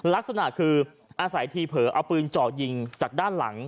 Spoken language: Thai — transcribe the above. ลักษณะคืออาศัยทีเผลอเอาปืนเจาะยิงจากด้านหลัง